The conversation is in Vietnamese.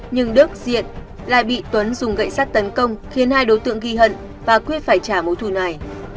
nhưng đức diện lại bị tuấn dùng gậy sát tấn công khiến hai đối tượng ghi hận và quyết phải trả mối thủ này